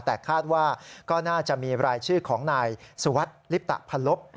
แต่คาดว่าก็น่าจะมีรายชื่อของนายสุวัสดิ์ลิปตะพันลบ